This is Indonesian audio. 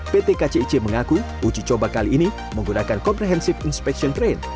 pt kcic mengaku uji coba kali ini menggunakan comprehensive inspection train